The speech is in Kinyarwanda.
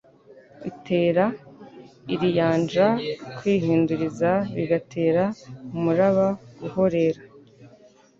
itera iriyanja kwihinduriza bigatera umuraba guhorera.